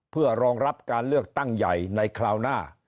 เพื่อรองรับการเลือกตั้งใหญ่ในคราวหน้า